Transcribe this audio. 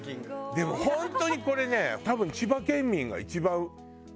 でも本当にこれね多分千葉県民が一番。